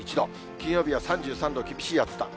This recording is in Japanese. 金曜日は３３度、厳しい暑さ。